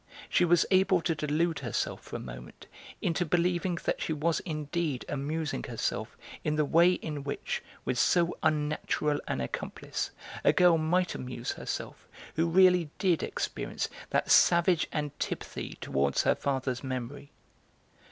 She was able to delude herself for a moment into believing that she was indeed amusing herself in the way in which, with so unnatural an accomplice, a girl might amuse herself who really did experience that savage antipathy towards her father's memory.